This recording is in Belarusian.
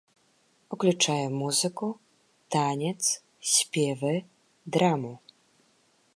Уключае музыку, танец, спевы, драму.